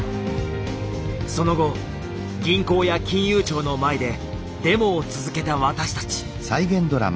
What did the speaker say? その後銀行や金融庁の前でデモを続けた私たち。